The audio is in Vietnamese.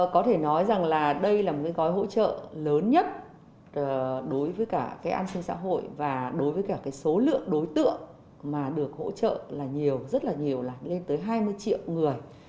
có thể nói rằng là đây là một cái gói hỗ trợ lớn nhất đối với cả cái an sinh xã hội và đối với cả cái số lượng đối tượng mà được hỗ trợ là nhiều rất là nhiều là lên tới hai mươi triệu người